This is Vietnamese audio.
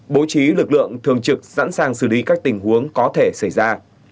bố trí lực lượng thường trực sẵn sàng xử lý các tình huống có thể xảy ra